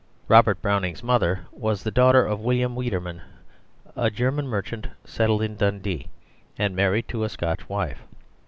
Robert Browning's mother was the daughter of William Wiedermann, a German merchant settled in Dundee, and married to a Scotch wife.